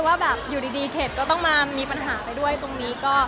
ว่าแบบอยู่ดีเขตก็ต้องมามีปัญหาไปด้วยตรงนี้ก็